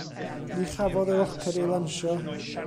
Ni chafodd y roced ei lansio.